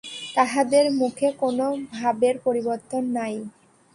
তাহাদের মুখে কোনো ভাবের পরিবর্তন নাই।